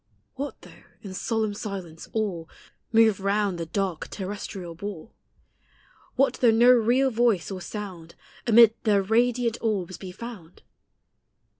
What though, in solemn silence, all Move round the dark terrestrial ball ? What though no real voice or sound Amid their radiant orbs be found?